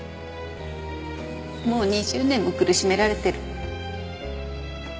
もう２０年も苦しめられてる。